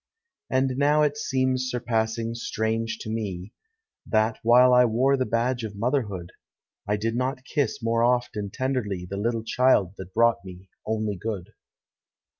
2s:i And now it seems surpassing strange to me, That, while 1 wore the badge of motherhood, 1 did not kiss more oft and tenderly The little child that brought me only good.